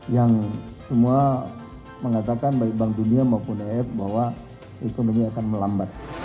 yang semua mengatakan baik bank dunia maupun af bahwa ekonomi akan melambat